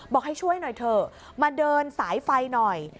บอกให้ช่วยหน่อยเถอะมาเดินสายไฟหน่อย